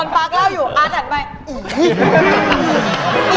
ไม่ตอนปาร์กเล่าอยู่อาจารย์ไปอี๋